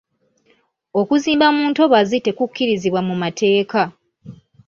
Okuzimba mu ntobazi tekukkirizibwa mu mateeka.